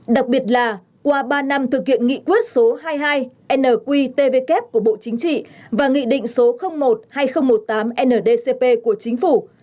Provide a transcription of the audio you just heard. đặc biệt là qua ba năm thực hiện nghị quyết số hai mươi hai nqtvk của bộ chính trị và nghị định số một hai nghìn một mươi tám ndcp của chính phủ